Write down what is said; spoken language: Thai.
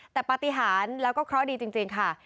แต่ปฏิหารแล้วก็เคราะห์ดีจริงค่ะ